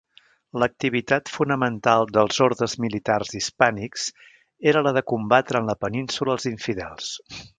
L'activitat fonamental dels Ordes Militars hispànics era la de combatre en la Península als infidels.